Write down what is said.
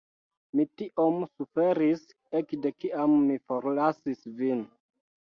Mi tiom suferis ekde kiam mi forlasis vin.